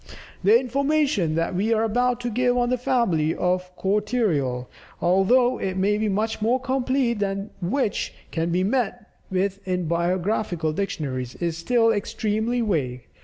The information that we are about to give on the family of Cortereal, although it may be much more complete than that which can be met with in biographical Dictionaries, is still extremely vague.